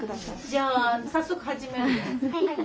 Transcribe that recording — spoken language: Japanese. じゃあ早速始めるよ。